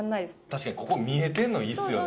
確かにここ見えてるのいいですよね。